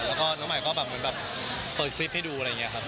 แล้วก็น้องใหม่ก็เปิดคลิปให้ดูอะไรอย่างนี้ครับ